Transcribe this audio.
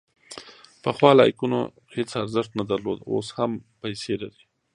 پخوا لایکونه هیڅ ارزښت نه درلود، اوس هم پیسې لري.